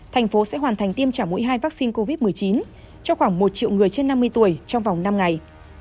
thành phố sẽ hoàn thành tiêm trả mũi hai vaccine covid một mươi chín cho khoảng một triệu người trên năm mươi tuổi trong vòng năm ngày